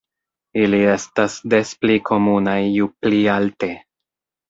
Ili estas des pli komunaj ju pli alte.